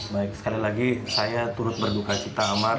baik sekali lagi saya turut berduka cita amat